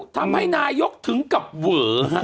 ทำให้นายกถึงกับเวอฮะ